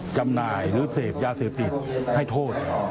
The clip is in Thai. จำหน่ายหรือเสพยาเสพติดให้โทษ